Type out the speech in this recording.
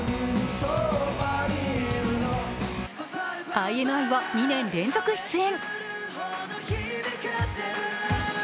ＩＮＩは２年連続出演。